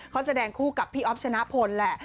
เขาแสดงคู่กับพี่อ๊อฟชนะพลแหละ